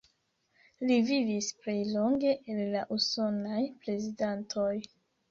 Li vivis plej longe el la usonaj prezidantoj.